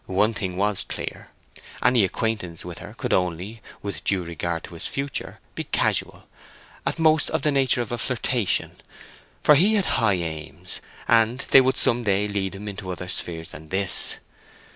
One thing was clear—any acquaintance with her could only, with a due regard to his future, be casual, at most of the nature of a flirtation; for he had high aims, and they would some day lead him into other spheres than this.